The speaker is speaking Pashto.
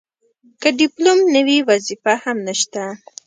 که ډیپلوم نه وي وظیفه هم نشته.